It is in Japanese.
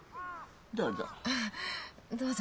どうぞ。